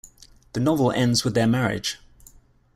The novel ends with their marriage.